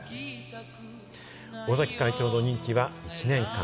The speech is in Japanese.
尾崎会長の任期は１年間。